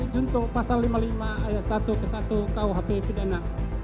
junto pasal lima puluh lima ayat satu ke satu kuhp pidana